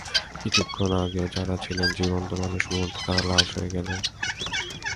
কিছুক্ষণ আগেও যাঁরা ছিলেন জীবন্ত মানুষ, মুহূর্তে তাঁরা হয়ে গেলেন লাশ।